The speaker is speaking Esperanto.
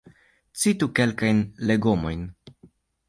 Citu kelkajn legomojn?